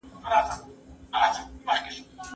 د ښو طریقو له امله چانسونه زیاتیږي.